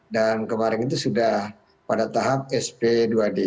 dan kemarin itu sudah pada tahap sp dua d